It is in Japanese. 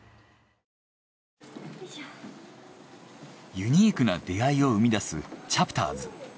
ユニークな出会いを生み出すチャプターズ。